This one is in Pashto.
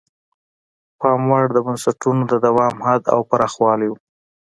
د پام وړ د بنسټونو د دوام حد او پراخوالی وو.